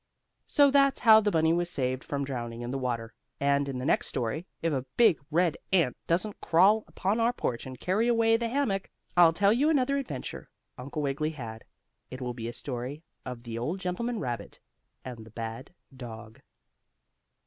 So that's how the bunny was saved from drowning in the water, and in the next story, if a big, red ant doesn't crawl upon our porch and carry away the hammock, I'll tell you another adventure Uncle Wiggily had. It will be a story of the old gentleman rabbit and the bad dog.